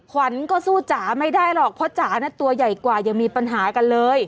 ขวัญก็สู้จ๋าไม่ได้หรอกเพราะจ๋าตัวใหญ่กว่ายังมีปัญหากันเลย